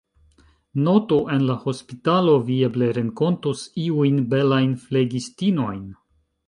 Notu, en la hospitalo, vi eble renkontus iujn belajn flegistinojn.